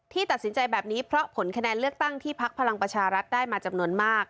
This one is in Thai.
ตัดสินใจแบบนี้เพราะผลคะแนนเลือกตั้งที่พักพลังประชารัฐได้มาจำนวนมาก